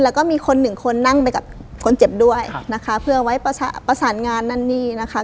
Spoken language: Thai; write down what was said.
แล้วก็มีคนหนึ่งคนนั่งไปกับคนเจ็บด้วยนะคะเพื่อไว้ประสานงานนั่นนี่นะคะ